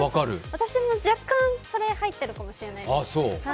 私も若干、それ入っているかもしれない。